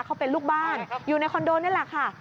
เขาเป็นลูกบ้านอยู่ในคอนโดนี่แหละค่ะ